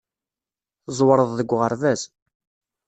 Tẓewreḍ deg uɣerbaz.